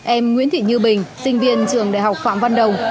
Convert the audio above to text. em nguyễn thị như bình sinh viên trường đại học phạm văn đồng